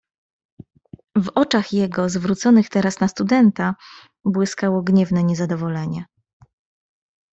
"W oczach jego zwróconych teraz na studenta błyskało gniewne niezadowolenie."